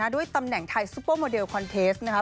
ด้วยตำแหน่งไทยซุปเปอร์โมเดลคอนเทสนะครับ